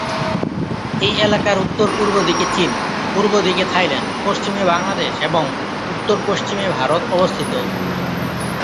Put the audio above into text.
এই এলাকার উত্ত-পূর্ব দিকে চীন, পূর্ব দিকে থাইল্যান্ড, পশ্চিমে বাংলাদেশ এবং উত্তর-পশ্চিমে ভারত অবস্থিত।